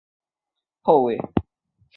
在场上的位置是右后卫。